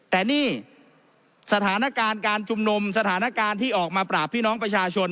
แต่นี่สถานการณ์การชุมนุมสถานการณ์ที่ออกมาปราบพี่น้องประชาชน